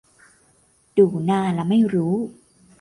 ดูหน้าละไม่รู้